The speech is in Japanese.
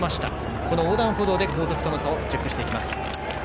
この横断歩道で後続との差をチェックします。